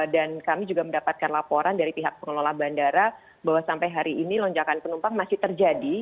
dan kami juga mendapatkan laporan dari pihak pengelola bandara bahwa sampai hari ini lonjakan penumpang masih terjadi